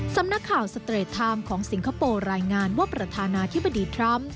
สำนักข่าวสเตรดไทม์ของสิงคโปร์รายงานว่าประธานาธิบดีทรัมป์